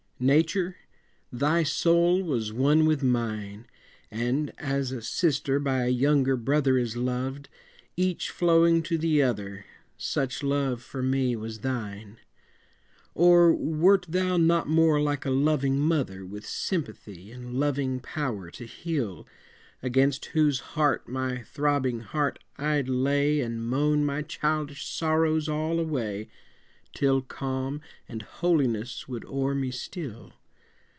Nature, thy soul was one with mine, And, as a sister by a younger brother Is loved, each flowing to the other, Such love for me was thine. Or wert thou not more like a loving mother With sympathy and loving power to heal, Against whose heart my throbbing heart I'd lay And moan my childish sorrows all away, Till calm and holiness would o'er me steal?